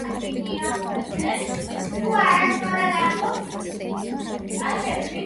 დიდგორის ბრძოლა საქართველოს ისტორიაში ერთ-ერთი ყველაზე მნიშვნელოვანი გამარჯვება იყო